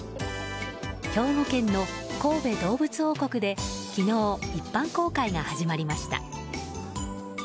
兵庫県の神戸どうぶつ王国で昨日一般公開が始まりました。